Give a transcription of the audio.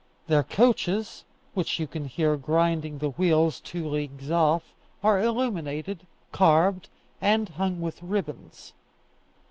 Their coaches, which you can hear grinding the wheels two leagues off, are illuminated, carved, and hung with ribbons.